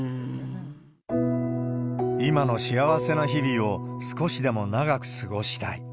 今の幸せな日々を、少しでも長く過ごしたい。